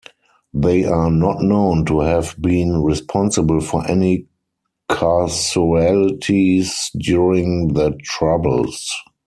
They are not known to have been responsible for any casualties during the Troubles.